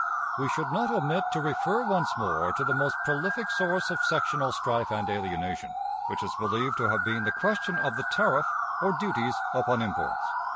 We should not omit to refer once more to the most prolific source of sectional strife and alienation, which is believed to have been the question of the tariff, or duties upon imports.